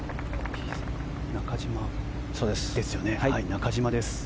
中島です。